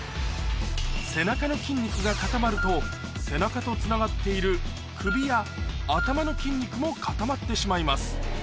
背中の筋肉が固まると背中とつながっている首や頭の筋肉も固まってしまいます